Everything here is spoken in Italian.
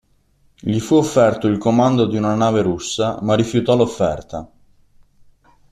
Gli fu offerto il comando di una nave russa, ma rifiutò l'offerta.